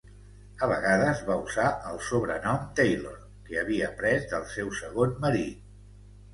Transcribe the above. A vegades va usar el sobrenom Taylor, que havia pres del seu segon marit.